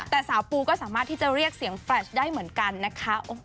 แต่สาวปูก็สามารถที่จะเรียกเสียงแฟลชได้เหมือนกันนะคะ